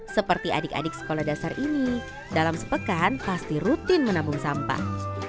seperti adik adik sekolah dasar ini dalam sepekan pasti rutin menabung sampah